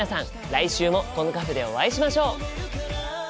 来週もこのカフェでお会いしましょう！